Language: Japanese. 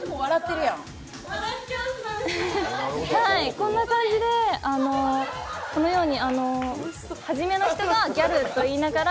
こんな感じで、このように初めの人が「ギャル」と言いながら